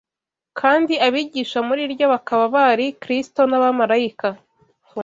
kandi abigisha muri ryo bakaba bari Kristo n’abamarayika